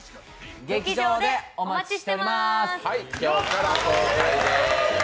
劇場でお待ちしてます。